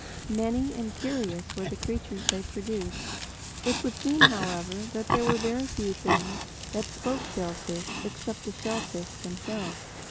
Many and curious were the creatures they produced. It would seem however that there were very few things that spoke shellfish except the shellfish themselves.